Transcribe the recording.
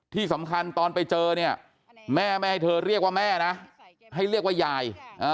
ที่สำคัญตอนไปเจอเนี่ยแม่ไม่ให้เธอเรียกว่าแม่นะให้เรียกว่ายาย